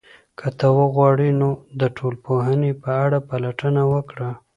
که ته وغواړې، نو د ټولنپوهنې په اړه پلټنه وکړه.